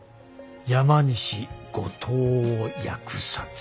山西後藤を扼殺。